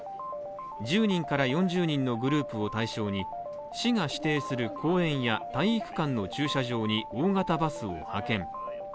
１０人から４０人のグループを対象に市が指定する公園や体育館の駐車場に大型バスを派遣。